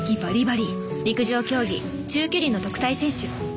陸上競技中距離の特待選手